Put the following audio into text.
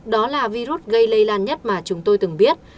đó là virus gây lây lan nhất mà chúng tôi từng biết